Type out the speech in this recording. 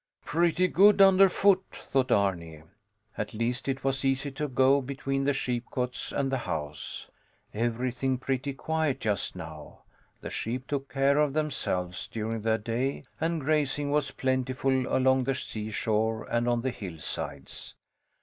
Pretty good under foot, thought Arni. At least it was easy to go between the sheepcotes and the house. Everything pretty quiet just now. The sheep took care of themselves during the day, and grazing was plentiful along the seashore and on the hillsides.